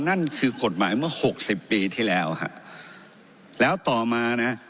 นั่นคือกฎหมายเมื่อหกสิบปีที่แล้วฮะแล้วต่อมานะ